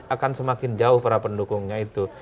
akan semakin jauh para pendukungnya itu